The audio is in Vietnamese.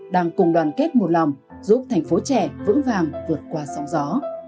đang cùng đoàn kết một lòng giúp thành phố trẻ vững vàng vượt qua sóng gió